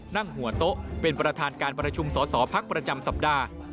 นั่งหัวโต๊ะเป็นประธานการประชุมสอสอพักประจำสัปดาห์